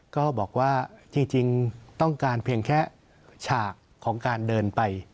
ก็บอกว่าจริงต้องการเพียงแค่ฉากของการเดินไป